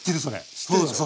知ってるでしょ。